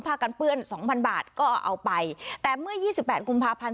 กันเปื้อนสองพันบาทก็เอาไปแต่เมื่อยี่สิบแปดกุมภาพันธ์